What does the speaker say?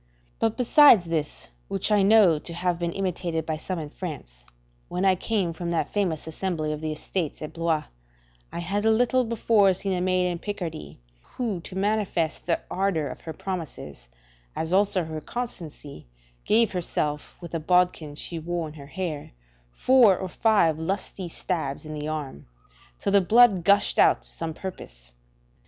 [Henry III.] But besides this, which I know to have been imitated by some in France, when I came from that famous assembly of the Estates at Blois, I had a little before seen a maid in Picardy, who to manifest the ardour of her promises, as also her constancy, give herself, with a bodkin she wore in her hair, four or five good lusty stabs in the arm, till the blood gushed out to some purpose.